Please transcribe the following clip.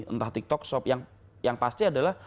entah tiktok shop yang pasti adalah